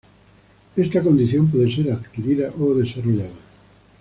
Esta condición puede ser adquirida o desarrollada.